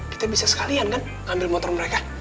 kita bisa sekalian kan ngambil motor mereka